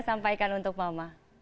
sampaikan untuk mama